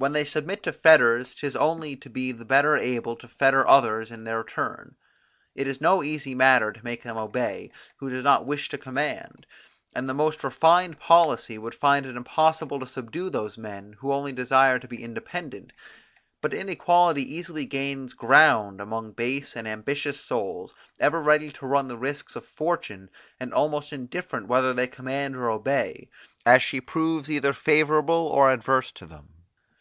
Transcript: When they submit to fetters, 'tis only to be the better able to fetter others in their turn. It is no easy matter to make him obey, who does not wish to command; and the most refined policy would find it impossible to subdue those men, who only desire to be independent; but inequality easily gains ground among base and ambitious souls, ever ready to run the risks of fortune, and almost indifferent whether they command or obey, as she proves either favourable or adverse to them.